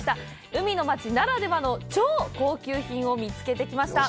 海の町ならではの超高級品を見つけてきました。